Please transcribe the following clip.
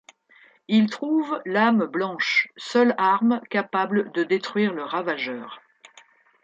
Il trouve l'Âme Blanche, seule arme capable de détruire le Ravageur.